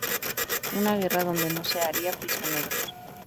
Una guerra donde no se haría prisioneros.